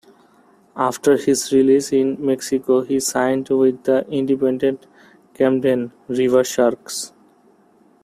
After his release in Mexico he signed with the Independent Camden Riversharks.